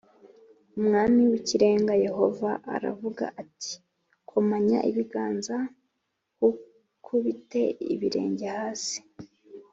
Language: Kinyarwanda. Umwami w Ikirenga Yehova aravuga ati komanya ibiganza h ukubite ikirenge hasi